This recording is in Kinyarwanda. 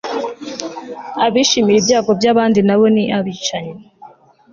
abishimira ibyago byabandi nabo ni abicanyi